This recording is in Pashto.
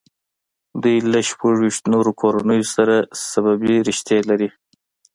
دوی له شپږ ویشت نورو کورنیو سره سببي رشتې لري.